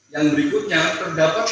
yang berikutnya terdapat